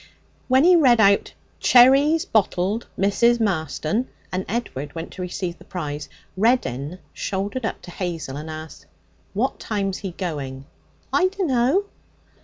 When he read out, 'Cherries, bottled. Mrs. Marston,' and Edward went to receive the prize, Reddin shouldered up to Hazel and asked: 'What time's he going?' 'I dunno.'